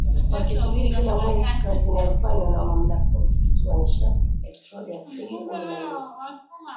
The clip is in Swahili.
Wakisubiri kila mwezi kazi inayofanywa na Mamlaka ya Udhibiti wa Nishati na Petroli Aprili kumi na nne